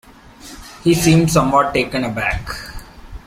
He seemed somewhat taken aback.